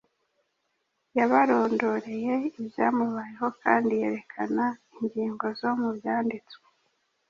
Yabarondoreye ibyamubayeho kandi yerekana ingingo zo mu Byanditswe